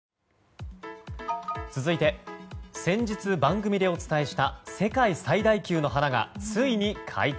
続いて先日、番組でお伝えした世界最大級の花がついに開花。